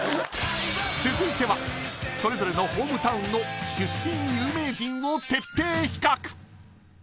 続いてはそれぞれのホームタウンの出身有名人を徹底比較。